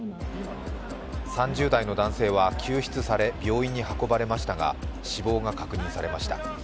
３０代の男性は救出され病院に運ばれましたが死亡が確認されました。